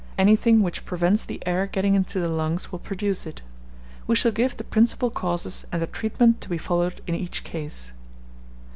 Anything which prevents the air getting into the lungs will produce it. We shall give the principal causes, and the treatment to be followed in each case.